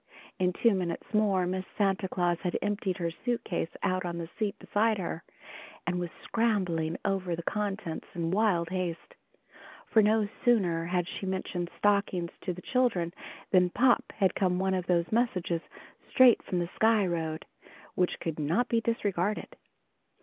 In two minutes more Miss Santa Claus had emptied her suitcase out on the seat beside her, and was scrabbling over the contents in wild haste. For no sooner had she mentioned stockings to the children than pop had come one of those messages straight from the Sky Road, which could not be disregarded.